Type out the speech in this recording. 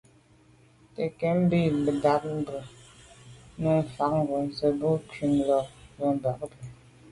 Te'nkam bə́ á tà' ndàp zə̄ bú nǔm fá ŋgǒngǒ zə̄ bū cûm lɑ̂' mvə̀ Ba'Bu.